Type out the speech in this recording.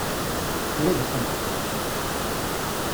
Trebḥemt.